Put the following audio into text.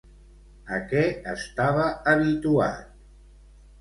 A què estava habituat?